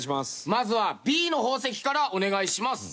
まずはＢの宝石からお願いします。